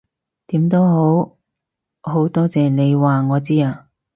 點都好，好多謝你話我知啊